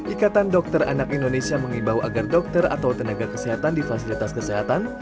ikatan dokter anak indonesia mengimbau agar dokter atau tenaga kesehatan di fasilitas kesehatan